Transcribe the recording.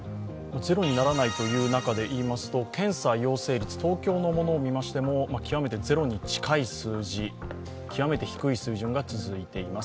ゼロにならないという中で言いますと検査陽性率、東京のものを見ましても極めてゼロに近い数字、極めて低い水準が続いています。